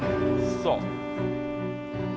そう。